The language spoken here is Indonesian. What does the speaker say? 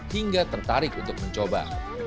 hingga tertarik untuk mencoba